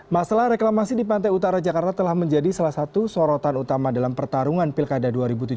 masalah reklamasi di pantai utara jakarta telah menjadi salah satu sorotan utama dalam pertarungan pilkada dua ribu tujuh belas